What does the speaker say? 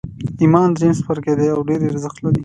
ایمان درېیم څپرکی دی او ډېر ارزښت لري